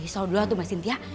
tau dulu lah tuh mbak sintia